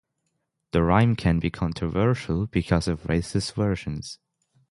The rhyme can be controversial because of racist versions.